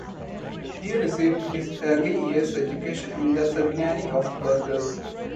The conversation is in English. He received his early years education in the Seminary of Burgos.